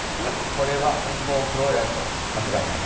これはレインボーフローライト間違いないです。